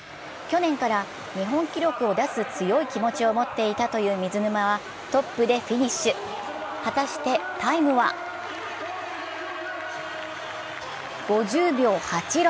去年から日本記録を出すという強い気持ちを持っていたという水沼はトップでフィニッシュ、果たしてタイムは５０秒８６！